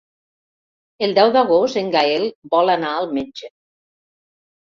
El deu d'agost en Gaël vol anar al metge.